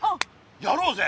やろうぜ！